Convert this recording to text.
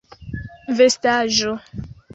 vestaĵo